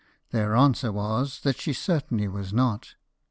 Their answer was, that she certainly was not.